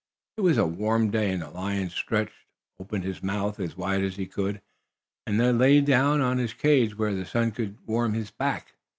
It was a warm day, and the lion stretched, opened his mouth as wide as he could, and then lay down in his cage where the sun could warm his back.